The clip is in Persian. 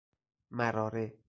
مراره